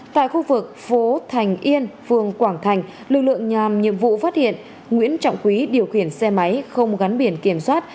tại khu vực phố thành yên phường quảng thành lực lượng nhàm nhiệm vụ phát hiện nguyễn trọng quý điều khiển xe máy không gắn biển kiểm soát